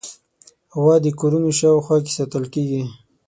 غوا د کورونو شاوخوا کې ساتل کېږي.